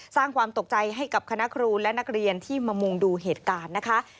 สร้างความตกใจให้กับคณะครูและนักเรียนที่มามุงดูเหตุการณ์นะคะ